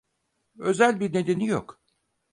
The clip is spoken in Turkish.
Özel bir nedeni yok.